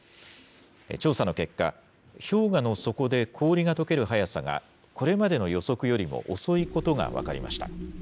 調査の結果、氷河の底で氷がとける速さがこれまでの予測よりも遅いことが分かりました。